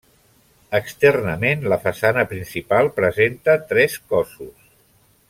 Externament la façana principal presenta tres cossos.